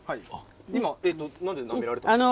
どうしてなめられたんですか。